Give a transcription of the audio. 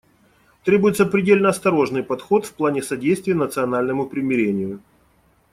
Требуется предельно осторожный подход в плане содействия национальному примирению.